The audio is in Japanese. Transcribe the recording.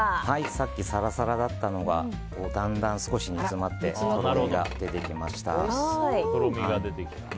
さっきサラサラだったのがだんだん少し煮詰まってとろみが出てきました。